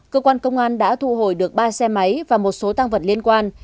cơ quan công an đã thu hồi được ba xe máy và một số tăng vật liên quan